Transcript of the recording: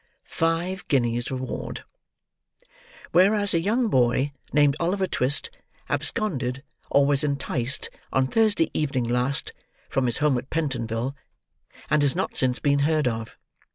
"FIVE GUINEAS REWARD "Whereas a young boy, named Oliver Twist, absconded, or was enticed, on Thursday evening last, from his home, at Pentonville; and has not since been heard of.